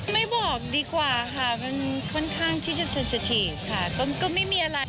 ไม่บอกดีกว่าค่ะมันค่อนข้างที่จะเซ็นสถีฟค่ะก็ไม่มีอะไร